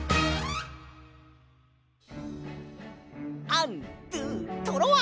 アンドゥトロワ！